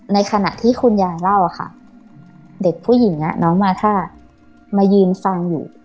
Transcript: ในขณะที่คุณยายเล่าค่ะเด็กผู้หญิงน้องมาท่ามายืนฟังอยู่